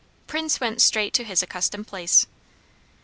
Prince went straight to his accustomed place.